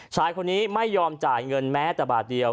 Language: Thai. ชายคนนี้ไม่ยอมจ่ายเงินแม้แต่บาทเดียว